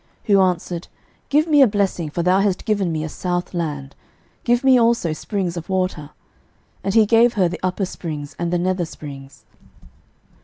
06:015:019 Who answered, Give me a blessing; for thou hast given me a south land; give me also springs of water. And he gave her the upper springs, and the nether springs.